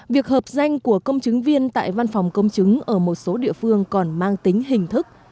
việc hợp danh của công chứng viên tại văn phòng công chứng ở một số địa phương còn mang tính hình thức